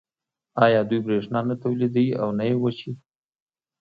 آیا دوی بریښنا نه تولیدوي او نه یې ویشي؟